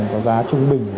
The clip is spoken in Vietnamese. có giá trung bình